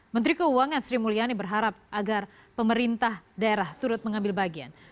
menteri keuangan sri mulyani berharap agar pemerintah daerah turut mengambil bagian